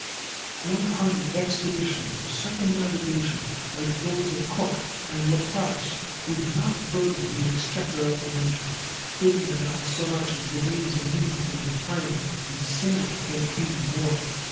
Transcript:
One hundred expeditions of circumnavigation like those of Cook and La Prouse would not burden the exchequer of the nation fitting them out so much as the ways and means of defraying a single campaign in war.